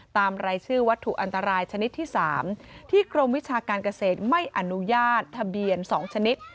รายชื่อวัตถุอันตรายชนิดที่๓ที่กรมวิชาการเกษตรไม่อนุญาตทะเบียน๒ชนิด